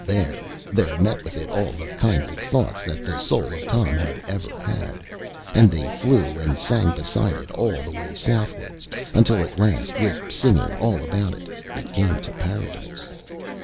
There, there met with it all the kindly thoughts that the soul of Tom had ever had, and they flew and sang beside it all the way southwards, until at last, with singing all about it, it came to Paradise.